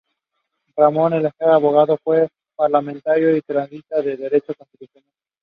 He teaches at the University of Iowa.